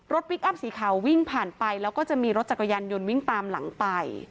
พลิกอัพสีขาววิ่งผ่านไปแล้วก็จะมีรถจักรยานยนต์วิ่งตามหลังไป